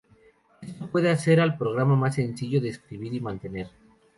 Esto puede hacer al programa más sencillo de escribir y mantener.